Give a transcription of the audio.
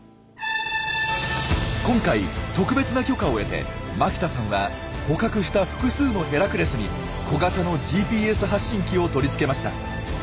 今回特別な許可を得て牧田さんは捕獲した複数のヘラクレスに小型のＧＰＳ発信機を取り付けました。